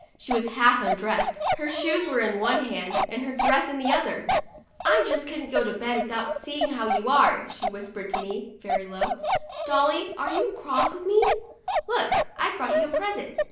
She was half undressed, her shoes were in one hand, and her dress in the other. " I just couldn't go to bed without see ing how you are," she whispered to me, very low. " Dolly, are you cross at me ? Look, I've brought you a present."